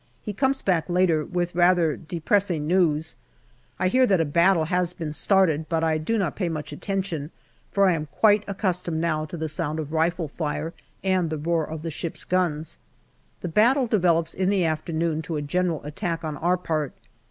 He comes back later with rather depressing news. I hear that a battle has been started, but I do not pay much attention, for I am quite accustomed now to the sound of rifle fire and the roar of the ships' guns. The battle develops in the afternoon to a general attack on our part.